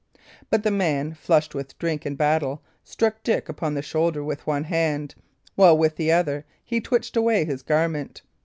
But the man, flushed with drink and battle, struck Dick upon the shoulder with one hand, while with the other he twitched away his garment.